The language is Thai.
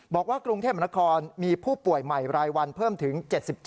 กรุงเทพมนครมีผู้ป่วยใหม่รายวันเพิ่มถึง๗๗